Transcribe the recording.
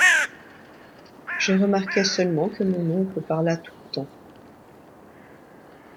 Je remarquai seulement que mon oncle parla tout le temps.